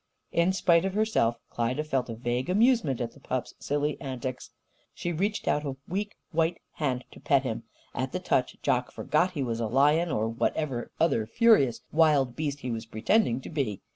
In spite of herself Klyda felt a vague amusement at the pup's silly antics. She reached out a weak white hand to pet him. At the touch, Jock forgot he was a lion or whatever other furious wild beast he was pretending to be.